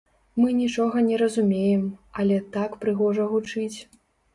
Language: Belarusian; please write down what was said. Мы нічога не разумеем, але так прыгожа гучыць.